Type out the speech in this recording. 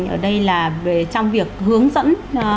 ở đây là trong việc hướng dẫn